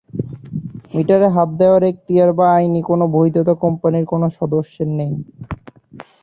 মিটারে হাত দেওয়ার এখতিয়ার বা আইনি কোনো বৈধতা কোম্পানির কোনো সদস্যের নেই।